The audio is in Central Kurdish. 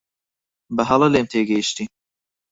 بەهەڵە لێم تێگەیشتی.